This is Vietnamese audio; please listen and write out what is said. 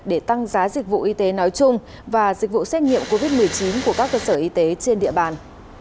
để tăng giá dịch vụ y tế nói chung và dịch vụ xét nghiệm covid một mươi chín của các cơ sở y tế trên địa bàn